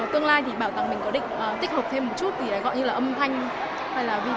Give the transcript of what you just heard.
tương lai thì bảo tàng mình có định tích hợp thêm một chút thì gọi như là âm thanh